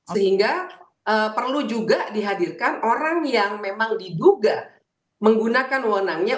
sehingga perlu juga dihadirkan orang yang memang diduga menggunakan wenangnya